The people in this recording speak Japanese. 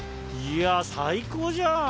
や最高じゃん！